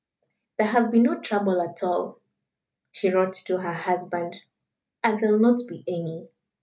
"There has been no trouble at all," she wrote to her husband; "and there will not be any.